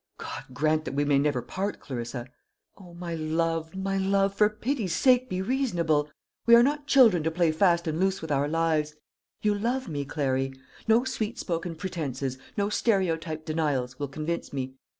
"God grant that we may never part, Clarissa! O, my love, my love, for pity's sake be reasonable! We are not children to play fast and loose with our lives. You love me, Clary. No sweet spoken pretences, no stereotyped denials, will convince me.